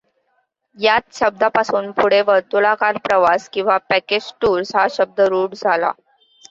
याच शब्दापासून पुढे वर्तुळाकार प्रवास किंवा पॅकेज टूर्स हा शब्द रुढ झाला.